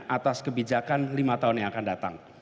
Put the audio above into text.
atas kebijakan lima tahun yang akan datang